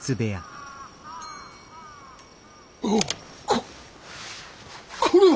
ここれは。